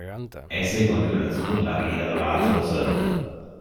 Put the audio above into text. Essig und Öl als Grundlage jeder Salatsoße.